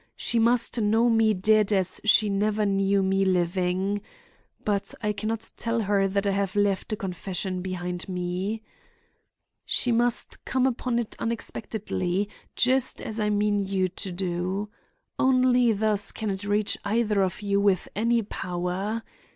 She must know me dead as she never knew me living. But I can not tell her that I have left a confession behind me. She must come upon it unexpectedly, just as I mean you to do. Only thus can it reach either of you with any power.